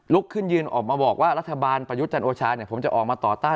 ขึ้นยืนออกมาบอกว่ารัฐบาลประยุทธ์จันทร์โอชาผมจะออกมาต่อต้าน